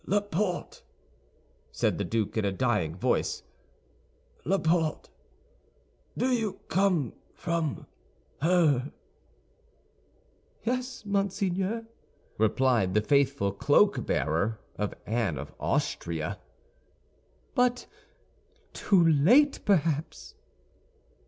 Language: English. "Laporte," said the duke, in a dying voice, "Laporte, do you come from her?" "Yes, monseigneur," replied the faithful cloak bearer of Anne of Austria, "but too late, perhaps."